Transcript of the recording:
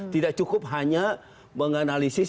tidak cukup hanya menganalisis